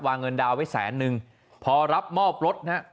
วางเงินดาวน์ไว้แสนนึงพอรับมอบรถนะครับ